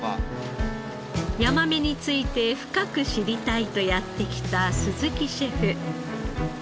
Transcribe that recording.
ヤマメについて深く知りたいとやって来た鈴木シェフ。